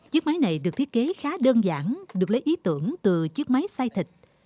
chiếc máy này được thiết kế khá đơn giản được lấy ý tưởng từ chiếc máy xay thịt